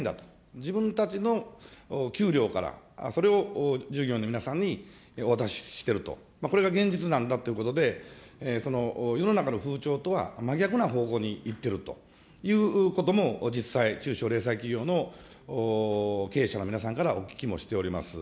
自分たちの給料からそれを従業員の皆さんにお渡ししていると、これが現実なんだということで、世の中の風潮とは真逆な方向にいっているということも実際、中小零細企業の経営者の皆さんからお聞きもしております。